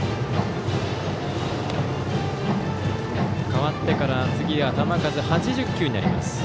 代わってから次は球数８０球になります。